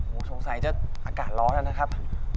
ว้าวทุกค่ะจังอากาศร้อนโทษนะครับ